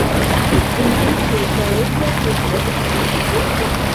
In any case Chaurasia plays left-handed to this day.